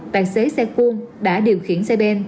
tài xế xe cuông đã điều khiển xe bên